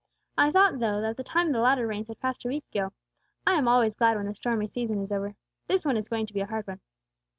I thought though, that the time of the latter rains had passed a week ago. I am always glad when the stormy season is over. This one is going to be a hard one."